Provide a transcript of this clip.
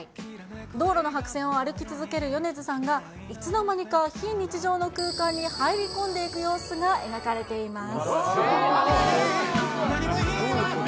道路の白線を歩き続ける米津さんがいつの間にか非日常の空間に入り込んでいく様子が描かれています。